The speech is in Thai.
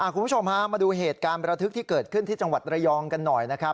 คุณผู้ชมฮะมาดูเหตุการณ์ประทึกที่เกิดขึ้นที่จังหวัดระยองกันหน่อยนะครับ